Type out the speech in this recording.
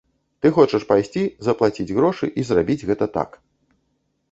Ты хочаш пайсці, заплаціць грошы, і зрабіць гэта так.